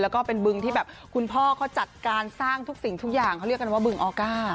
แล้วก็เป็นบึงที่แบบคุณพ่อเขาจัดการสร้างทุกสิ่งทุกอย่างเขาเรียกกันว่าบึงออก้า